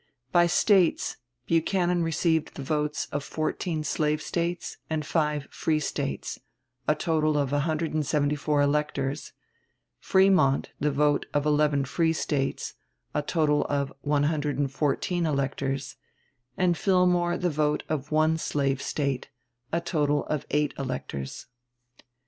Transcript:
By States Buchanan received the votes of fourteen slave States and five free States, a total of 174 electors; Frémont the vote of eleven free States, a total of 114 electors; and Fillmore the vote of one slave State, a total of eight electors.